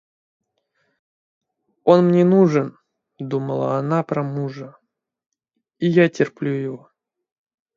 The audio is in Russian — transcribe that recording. Он мне нужен, — думала она про мужа, — и я терплю его.